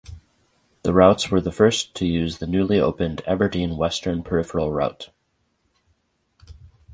The routes were the first to use the newly opened Aberdeen Western Peripheral Route.